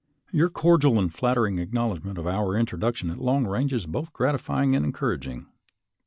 Your cordial and flattering acknowledgment of our introduction at long range is both gratify ing and encouraging.